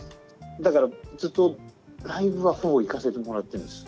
だからずっとライブはほぼ行かせてもらってるんです。